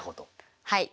はい。